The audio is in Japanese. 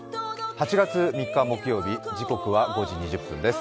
８月３日木曜日時刻は５時２０分です。